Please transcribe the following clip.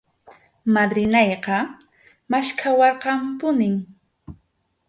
Madrinayqa maskhawarqanpunim.